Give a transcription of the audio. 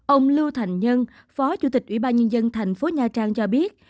ông lưu thành nhân phó chủ tịch ủy ban nhân dân thành phố nha trang cho biết